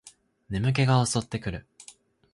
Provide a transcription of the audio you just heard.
眠気が襲ってくる